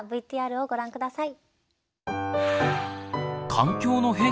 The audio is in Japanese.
ＶＴＲをご覧下さい。